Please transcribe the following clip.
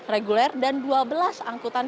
reguler dan dua belas angkutan